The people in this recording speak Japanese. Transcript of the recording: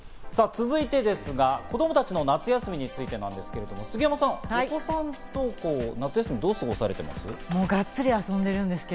続いてですが、子供たちの夏休みについてなんですけど、杉山さん、お子さん、夏休みをどう過ごされてますか？